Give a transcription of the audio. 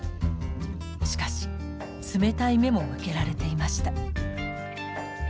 しかし冷たい目も向けられていました。